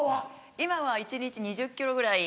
今は一日２０ｋｍぐらい。